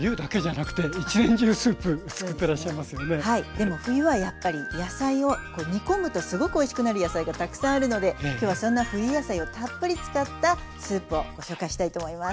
でも冬はやっぱり煮込むとすごくおいしくなる野菜がたくさんあるので今日はそんな冬野菜をたっぷり使ったスープをご紹介したいと思います。